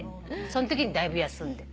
そのときにだいぶ休んで。